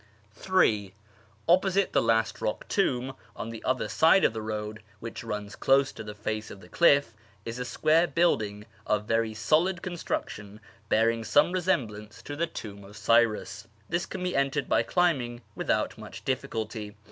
(iii) Oj)posite the last rock tomb, on the other side of the road (which runs close to the face of the cliff), is a square building of very solid construction, bearing some resemblance to the Tomb of Cyrus. This can be entered by climbing with out much difficulty.